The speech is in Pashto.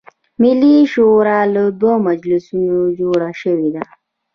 ملي شورا له دوه مجلسونو جوړه شوې ده.